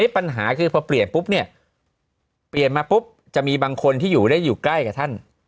ปัญหาคือพอเปลี่ยนปุ๊บเนี่ยเปลี่ยนมาปุ๊บจะมีบางคนที่อยู่ได้อยู่ใกล้กับท่าน